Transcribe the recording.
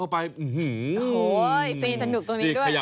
โอ้โหไปสนุกตรงนี้ด้วย